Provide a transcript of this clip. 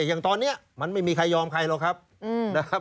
อย่างตอนนี้มันไม่มีใครยอมใครหรอกครับนะครับ